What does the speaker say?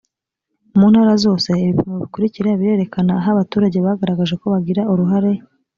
mu ntara zose ibipimo bikurikira birerekana aho abaturage bagaragaje ko bagira uruhare